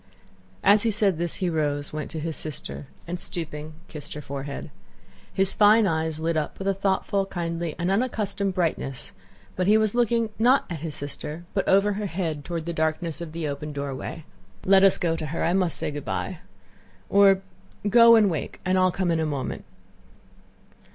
As he said this he rose, went to his sister, and, stooping, kissed her forehead. His fine eyes lit up with a thoughtful, kindly, and unaccustomed brightness, but he was looking not at his sister but over her head toward the darkness of the open doorway. "Let us go to her, I must say good by. Or—go and wake and I'll come in a moment.